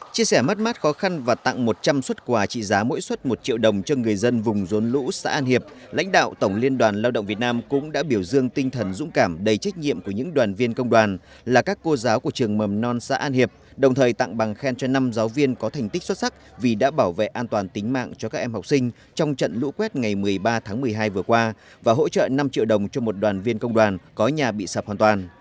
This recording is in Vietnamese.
chia sẻ mắt mắt khó khăn và tặng một trăm linh suất quà trị giá mỗi suất một triệu đồng cho người dân vùng rốn lũ xã an hiệp lãnh đạo tổng liên đoàn lao động việt nam cũng đã biểu dương tinh thần dũng cảm đầy trách nhiệm của những đoàn viên công đoàn là các cô giáo của trường mầm non xã an hiệp đồng thời tặng bằng khen cho năm giáo viên có thành tích xuất sắc vì đã bảo vệ an toàn tính mạng cho các em học sinh trong trận lũ quét ngày một mươi ba tháng một mươi hai vừa qua và hỗ trợ năm triệu đồng cho một đoàn viên công đoàn có nhà bị sạp hoàn toàn